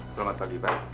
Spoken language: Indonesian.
selamat pagi pak